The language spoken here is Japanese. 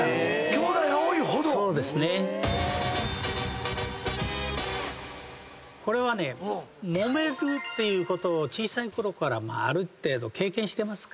きょうだいが多いほど⁉これはねもめるっていうことを小さいころからある程度経験してますから。